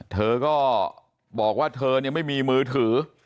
เธอก็บอกว่าเธอไม่มีมือถือ